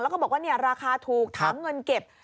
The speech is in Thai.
แล้วก็บอกว่าราคาถูกถามเงินเก็บ